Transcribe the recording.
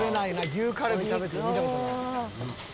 「牛カルビ食べてるの見た事ない」